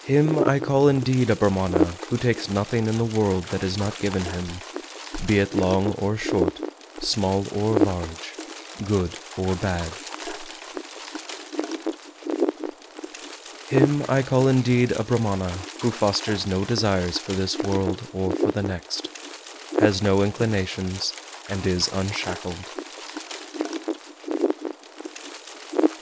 Him I call indeed a Brahmana who takes nothing in the world that is not given him, be it long or short, small or large, good or bad. 410. Him I call indeed a Brahmana who fosters no desires for this world or for the next, has no inclinations, and is unshackled. 411.